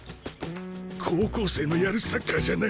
高校生のやるサッカーじゃない。